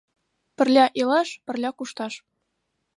Пырля илаш, пырля кушташ!..